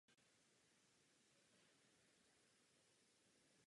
O velkou senzaci se při tomto mistrovství Evropy postarali českoslovenští fotbalisté.